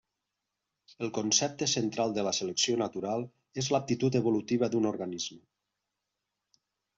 El concepte central de la selecció natural és l'aptitud evolutiva d'un organisme.